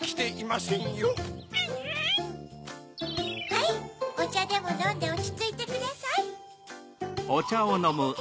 はいおちゃでものんでおちついてください。